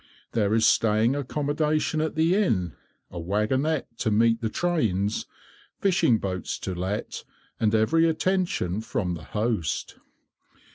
There is staying accommodation at the inn, a wagonnette to meet the trains, fishing boats to let, and every attention from the host.